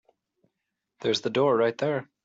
There's the door right there.